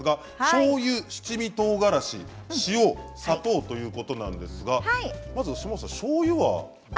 しょうゆ、七味とうがらし、塩砂糖ということなんですがしょうゆは？